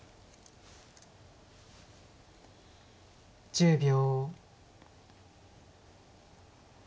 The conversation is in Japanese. １０秒。